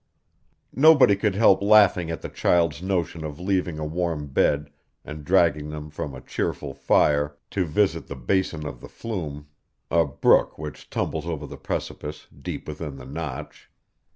Nobody could help laughing at the child's notion of leaving a warm bed, and dragging them from a cheerful fire, to visit the basin of the Flume a brook, which tumbles over the precipice, deep within the Notch.